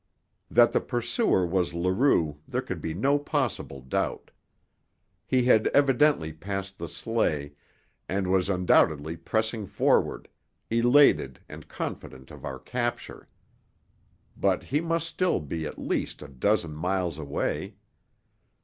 That the pursuer was Leroux there could be no possible doubt. He had evidently passed the sleigh, and was undoubtedly pressing forward, elated and confident of our capture. But he must still be at least a dozen miles away.